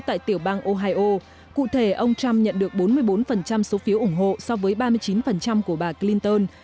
tại tiểu bang ohio cụ thể ông trump nhận được bốn mươi bốn số phiếu ủng hộ so với ba mươi chín của bà clinton